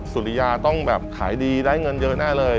สุริยาต้องแบบขายดีได้เงินเยอะแน่เลย